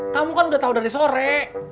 kamu kan udah tahu dari sore